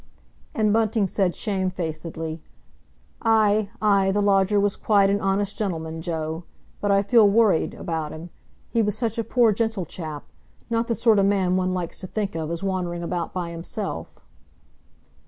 And Bunting said shamefacedly, "Aye, aye, the lodger was quite an honest gentleman, Joe. But I feel worried, about him. He was such a poor, gentle chap—not the sort o' man one likes to think of as wandering about by himself."